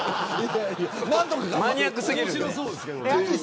マニアック過ぎるんで。